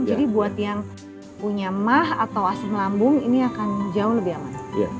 jadi buat yang punya mah atau asam lambung ini akan jauh lebih aman